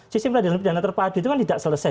sisim peradilan perdana terpadu itu kan tidak selesai